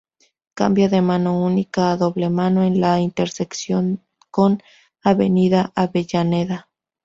Cambia de mano única a doble mano, en la intersección con Avenida Avellaneda.